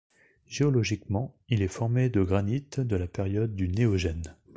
Géologiquement, il est formé de granite de la période du Néogène.